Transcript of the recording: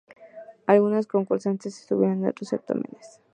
Algunas concursantes estuvieron en otros certámenes.